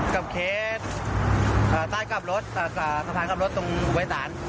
กับเคสใต้กลับรถสะพานกลับรถตรงอุบัติศาสตร์